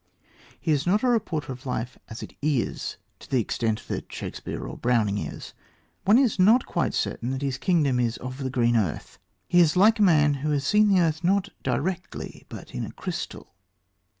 He is not a reporter of life as it is, to the extent that Shakespeare or Browning is. One is not quite certain that his kingdom is of the green earth. He is like a man who has seen the earth not directly but in a crystal.